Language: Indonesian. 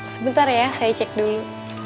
sebentar ya saya cek dulu